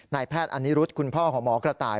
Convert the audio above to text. นายแพทย์อนิรุธคุณพ่อความลัดงคือหมอกระต่าย